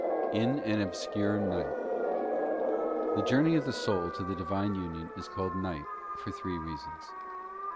'In an obscure night..— The journey of the soul to the Thres parts Divine union is called night for three reasons.